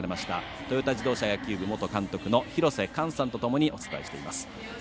トヨタ自動車野球部元監督の廣瀬寛さんとともにお伝えしています。